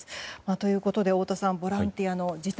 ということで太田さんボランティアの辞退